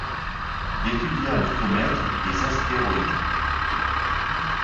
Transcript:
Il étudia les comètes et les astéroïdes.